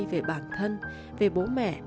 về bản thân về bố mẹ